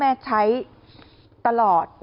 ไปเยี่ยมผู้แทนพระองค์